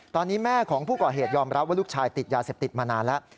ตอนนี้แม่ของผู้ก่อเหตุยอมรับว่าลูกชายติดยาเสพติดมานานแล้ว